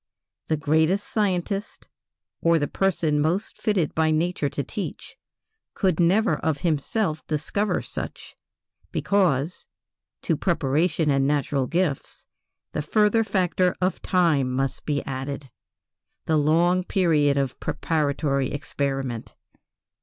The greatest scientist, or the person most fitted by nature to teach, could never of himself discover such, because, to preparation and natural gifts, the further factor of time must be added the long period of preparatory experiment.